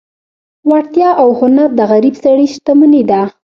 وړتیا او هنر د غریب سړي شتمني ده.